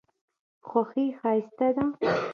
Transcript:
خوښي ښایسته ده.